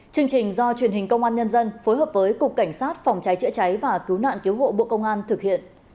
chương trình do truyền hình công an nhân dân phối hợp với cục cảnh sát phòng cháy chữa cháy và cứu nạn cứu hộ bộ công an thực hiện